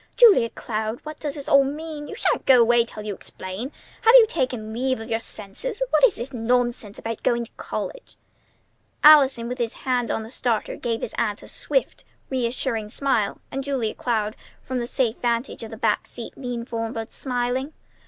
"Julia Cloud, what does all this mean? You shan't go away until you explain. Have you taken leave of your senses? What is this nonsense about going to college?" Allison with his hand on the starter gave his aunt a swift, reassuring smile; and Julia Cloud from the safe vantage of the back seat leaned forward, smiling.